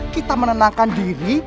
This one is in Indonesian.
kita menenangkan diri